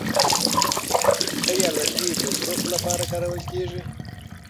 آیا لرګي د سوخت لپاره کارول کیږي؟